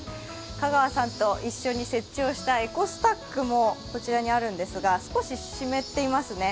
香川さんと一緒に設置をしたエコスタックもこちらにあるんですが、少し湿っていますね。